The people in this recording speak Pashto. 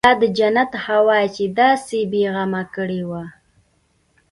دا د جنت هوا چې داسې بې غمه کړى وم.